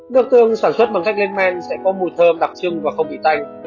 nước tương sản xuất bằng cách lên men sẽ có mùi thơm đặc trưng và không bị tanh